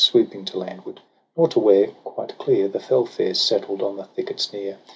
Swooping to landward ; nor to where, quite clear. The fell fares settled on the thickets near.